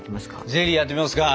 ゼリーやってみますか。